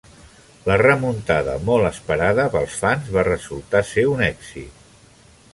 La remuntada, molt esperada pels fans, va resultar ser un èxit.